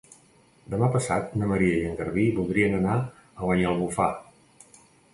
Demà passat na Maria i en Garbí voldrien anar a Banyalbufar.